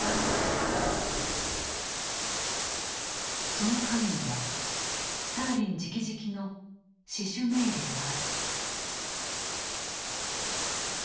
その陰にはスターリンじきじきの「死守命令」があった。